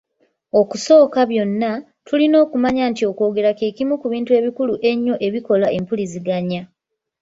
Okusooka byonna, tulina okumanya nti okwogera kimu ku bintu ebikulu ennyo ebikola empuliziganya.